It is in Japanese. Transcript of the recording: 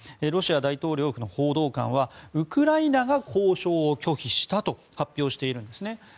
ロシア大統領府の報道官はウクライナが交渉を拒否したと発表しているんですね。